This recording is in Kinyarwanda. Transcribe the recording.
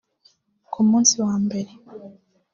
Ku musi wa mbere